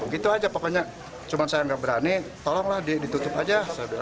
gitu aja pokoknya cuma saya nggak berani tolonglah ditutup aja